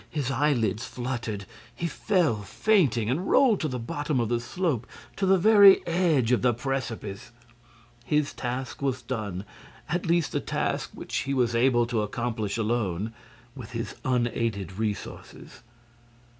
His eyelids fluttered. He fell fainting and rolled to the bottom of the slope, to the very edge of the precipice. His task was done, at least the task which he was able to accomplish alone, with his unaided resources.